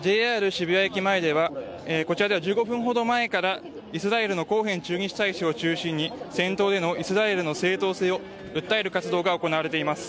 渋谷駅前では１５分ほど前からイスラエルのコーヘン駐日大使を中心に戦闘でのイスラエルの正当性を訴える活動が行われています。